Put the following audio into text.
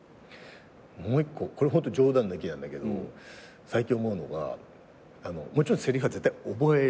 もう一個これホント冗談抜きなんだけど最近思うのがもちろんせりふは絶対覚える。